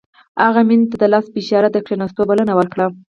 هغه مينې ته د لاس په اشاره د کښېناستو بلنه ورکړه.